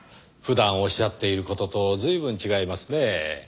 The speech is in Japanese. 普段おっしゃっている事と随分違いますねぇ。